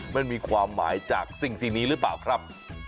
มันมีความหมายจากสิ่งนี้หรือเปล่าครับ